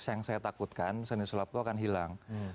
yang saya takutkan seni sulap itu akan hilang